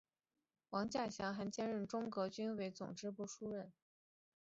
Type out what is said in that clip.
王稼祥还兼任中革军委总政治部主任。